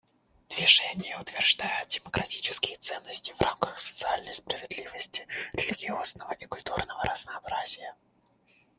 Движение утверждает демократические ценности в рамках социальной справедливости, религиозного и культурного разнообразия.